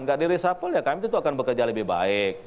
tidak di resapel kami tentu akan bekerja lebih baik